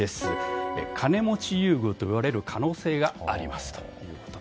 金持ち優遇といわれる可能性があります